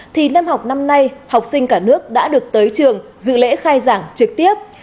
thì năm học năm nay học sinh cả nước đã được tới trường dự lễ khai giảng trực tiếp